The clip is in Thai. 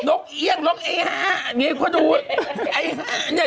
นกเอี้ยงนกไอ้ฮะไอ้ฮะเนี่ย